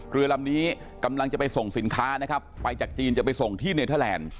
เรือลำนี้กำลังจะไปส่งสินค้านะครับไปจากจีนจะไปส่งที่เนเทอร์แลนด์